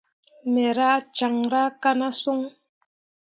Me rah caŋra na ka son.